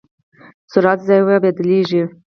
سرعت زاویه بدلېږي.